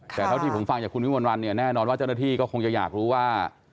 แต่เท่าที่ผมฟังจากคุณวิมวลวันเนี่ยแน่นอนว่าเจ้าหน้าที่ก็คงจะอยากรู้ว่า